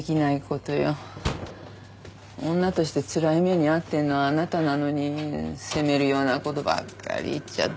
女としてつらい目に遭ってんのはあなたなのに責めるようなことばっかり言っちゃって。